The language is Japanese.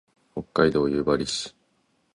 北海道夕張市